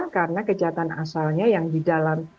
karena kejahatan asalnya yang didalam